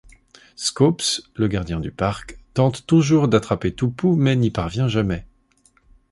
Schoops, le gardien du parc, tente toujours d'attraper Toupou, mais n'y parvient jamais...